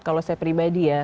kalau saya pribadi ya